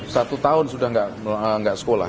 satu tahun sudah tidak sekolah